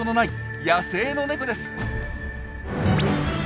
野生のネコです。